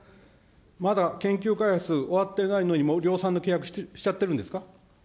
まだ研究開発終わってないのに、もう量産の契約しちゃってるんですか。